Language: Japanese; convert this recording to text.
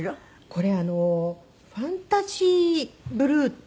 これファンタジーブルーっていいまして。